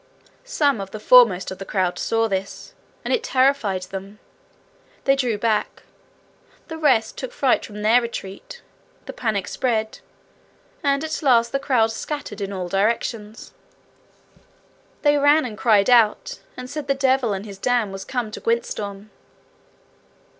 Some of the foremost of the crowd saw this, and it terrified them. They drew back; the rest took fright from their retreat; the panic spread; and at last the crowd scattered in all directions. They ran, and cried out, and said the devil and his dam were come to Gwyntystorm.